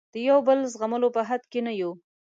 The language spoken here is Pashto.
د یو بل زغملو په حد کې نه یو.